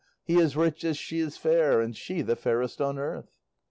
he as rich as she is fair; and she the fairest on earth!"